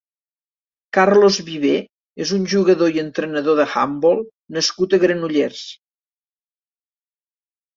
Carlos Viver és un jugador i entrenador d'handbol nascut a Granollers.